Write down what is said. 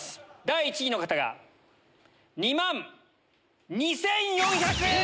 第１位の方が２万２４００円！